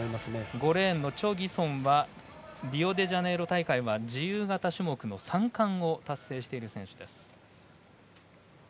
５レーンのチョ・ギソンはリオデジャネイロ大会は自由形種目の３冠を達成している選手です。